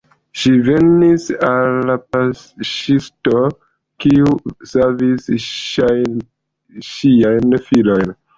Ŝi venis al paŝtisto, kiu savis ŝiajn filojn.